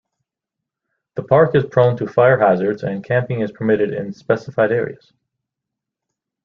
The park is prone to fire hazards, and camping is permitted in specified areas.